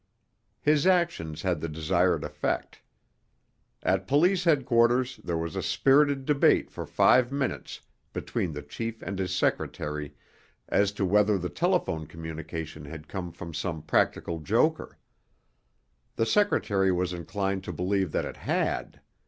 His actions had the desired effect. At police headquarters there was a spirited debate for five minutes between the chief and his secretary as to whether the telephone communication had come from some practical joker. The secretary was inclined to believe that it had.